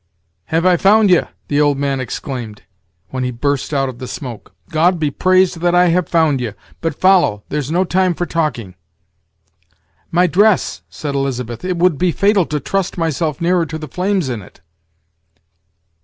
"Have I found ye!" the old man exclaimed, when he burst out of the smoke; "God be praised that I have found ye; but follow there's no time for talking." "My dress!" said Elizabeth; "it would be fatal to trust myself nearer to the flames in it."